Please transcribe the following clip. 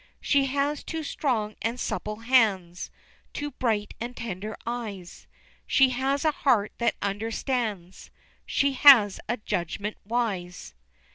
She has two strong and supple hands, Two bright and tender eyes, She has a heart that understands, She has a judgment wise.